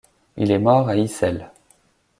Il est mort à Ixelles.